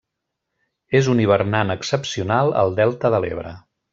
És un hivernant excepcional al delta de l'Ebre.